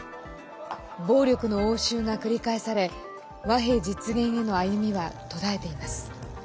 暴力の応酬が繰り返され和平実現への歩みは途絶えています。